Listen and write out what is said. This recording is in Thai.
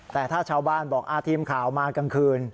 แต่ถ้าชาวบ้านบอกทีมข่าวมากลางคืน